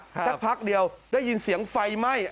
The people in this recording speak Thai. สักพักเดียวได้ยินเสียงไฟไหม้